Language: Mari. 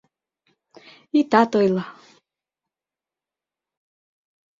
Итат ойло!